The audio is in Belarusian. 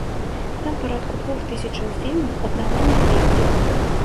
Там парадку двух тысячаў фільмаў аднаго наймення.